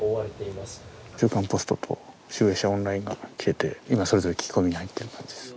「週刊ポスト」と集英社オンラインが来てて今それぞれ聞き込みに入ってる感じです。